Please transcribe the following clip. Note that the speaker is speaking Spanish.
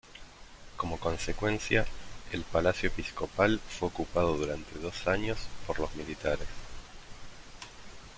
Como consecuencia, el palacio Episcopal fue ocupado durante dos años por los militares.